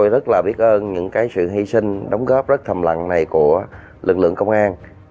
rất là biết ơn những sự hy sinh đóng góp rất thầm lặng này của lực lượng công an